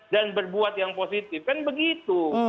dan berbuat yang positif kan begitu